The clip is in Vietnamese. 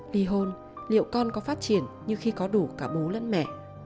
ly hôn liệu con có phát triển như khi có đủ cả bố lẫn mẹ